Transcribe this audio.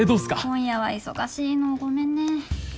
今夜は忙しいのごめんね。